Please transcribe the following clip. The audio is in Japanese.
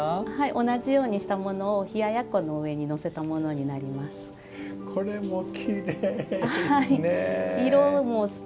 同じようにしたものを冷ややっこにのせたものになります。